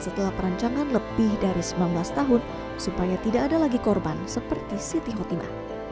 setelah perancangan lebih dari sembilan belas tahun supaya tidak ada lagi korban seperti siti khotimah